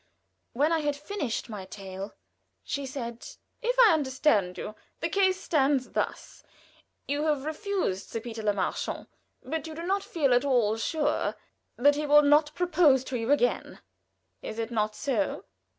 When I had finished my tale, she said: "If I understand you, the case stands thus: You have refused Sir Peter Le Marchant, but you do not feel at all sure that he will not propose to you again. Is it not so?"